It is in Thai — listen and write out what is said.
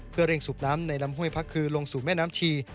เพื่อเร่งสูบน้ำในลำห้วยพระคือลงสู่แม่น้ำชี